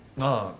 ああ。